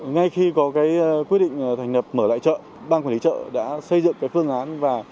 ngay khi có quyết định thành lập mở lại chợ ban quản lý chợ đã xây dựng phương án và